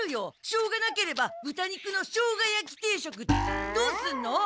しょうがなければぶた肉のしょうがやき定食どうすんの？